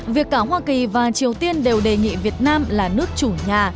việc cả hoa kỳ và triều tiên đều đề nghị việt nam là nước chủ nhà